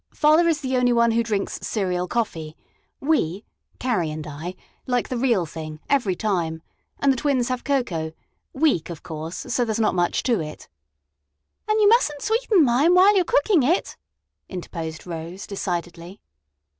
Father is the only one who drinks cereal coffee. We (Carrie and I) like the real thing, every time; and the twins have cocoa weak, of course, so there 's not much to it." "And you must n't sweeten mine while you 're cooking it," interposed Rose decidedly.